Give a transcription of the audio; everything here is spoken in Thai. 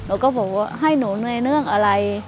หนูก็บอกว่าให้หนูในเรื่องอะไร